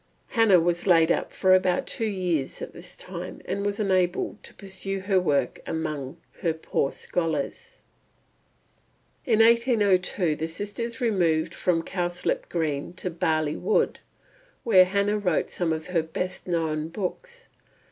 Hannah was laid up for about two years at this time, and was unable to pursue her work amongst her poor scholars. In 1802 the sisters removed from Cowslip Green to Barley Wood; here Hannah wrote some of her best known books.